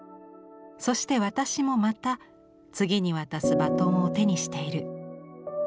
そして私もまた次に渡すバトンを手にしている。